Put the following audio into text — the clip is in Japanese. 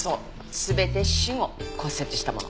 全て死後骨折したもの。